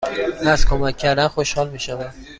از کمک کردن خوشحال می شوم.